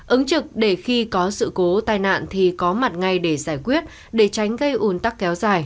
ứng trực để khi có sự cố tai nạn thì có mặt ngay để giải quyết để tránh gây ủn tắc kéo dài